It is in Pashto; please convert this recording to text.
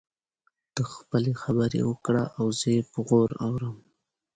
ته خپلې خبرې وکړه او زه يې په غور اورم.